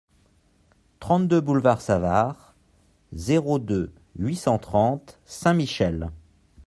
trente-deux boulevard Savart, zéro deux, huit cent trente Saint-Michel